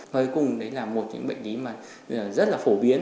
nói cùng đấy là một những bệnh nhân rất là phổ biến